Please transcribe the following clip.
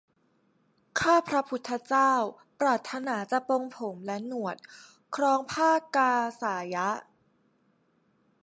ข้าพระพุทธเจ้าปรารถนาจะปลงผมและหนวด ครองผ้ากาสายะ